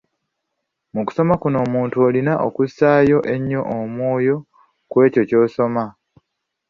Mu kusoma kuno omuntu olina okussaayo ennyo omwoyo ku ekyo ky’osomako.